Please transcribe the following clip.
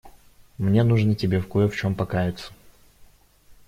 Мне нужно тебе кое в чём покаяться.